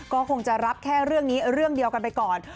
ก็คงจะรับแค่เรื่องนี้เรื่องเดียวกันไปก่อน